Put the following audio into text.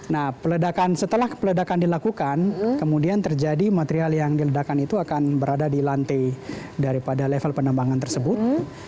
nah setelah peledakan dilakukan kemudian terjadi material yang diledakan itu akan berada di lantai daripada level penambangan tersebut